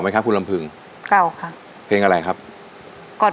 มีความรู้สึกว่ามีความรู้สึกว่ามีความรู้สึกว่า